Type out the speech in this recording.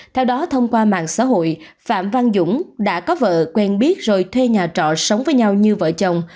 theo đó thông qua mạng xã hội phạm văn dũng đã có vợ quen biết rồi thuê nhà trọ sống với nhau như vợ chồng